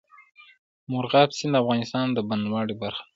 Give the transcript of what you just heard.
مورغاب سیند د افغانستان د بڼوالۍ برخه ده.